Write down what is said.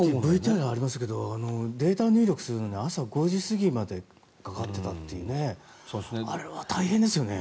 ＶＴＲでもありましたけどデータを入力するのに朝５時過ぎまでかかっていたというのがね